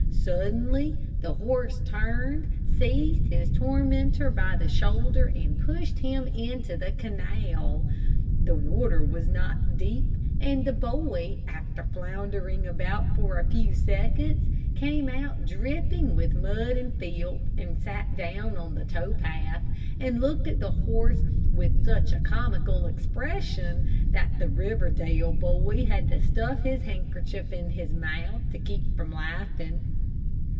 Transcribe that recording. Suddenly the horse turned, seized his tormentor by the shoulder, and pushed him into the canal. The water was not deep, and the boy, after floundering about for a few seconds, came out dripping with mud and filth, and sat down on the tow path, and looked at the horse with such a comical expression, that the Riverdale boy had to stuff his handkerchief in his mouth to keep from laughing.